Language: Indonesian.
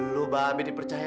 lu babe dipercaya